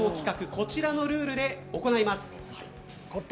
こちらのルールで行います。